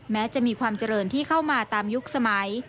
จะมีความเจริญที่เข้ามาตามยุคสมัย